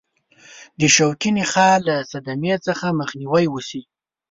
د شوکي نخاع له صدمې څخه مخنیوي وشي.